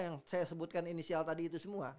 yang saya sebutkan inisial tadi itu semua